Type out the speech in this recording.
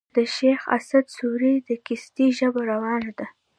د شېخ اسعد سوري د قصيدې ژبه روانه ده.